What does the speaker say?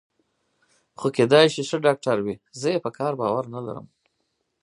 خو کېدای شي ښه ډاکټر وي، زه یې پر کار باور نه لرم.